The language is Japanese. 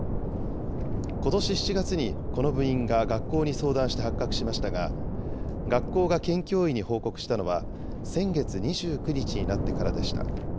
ことし７月にこの部員が学校に相談して発覚しましたが、学校が県教委に報告したのは先月２９日になってからでした。